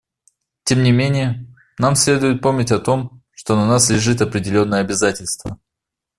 Тем не менее, нам следует помнить о том, что на нас лежит определенное обязательство.